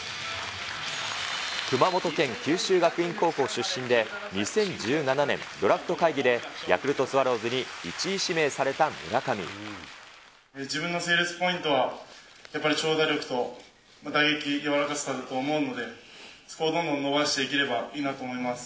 熊本県九州学院高校出身で２０１７年、ドラフト会議でヤクルトスワローズに１位指名された自分のセールスポイントは、やっぱり長打力と打撃、柔らかさだと思うので、そこをどんどん伸ばしていければいいなと思います。